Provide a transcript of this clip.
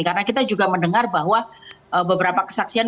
karena kita juga mendengar bahwa beberapa kesaksian